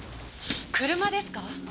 車ですか？